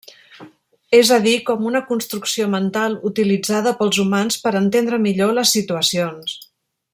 És a dir com una construcció mental utilitzada pels humans per entendre millor les situacions.